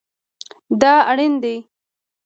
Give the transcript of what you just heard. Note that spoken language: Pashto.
دا اړین دی